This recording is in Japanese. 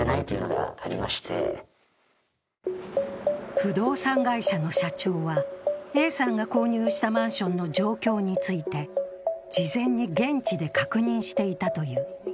不動産会社の社長はＡさんが購入したマンションの状況について事前に現地で確認していたという。